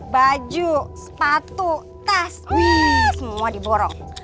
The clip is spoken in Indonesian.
baju sepatu tas wih semua diborong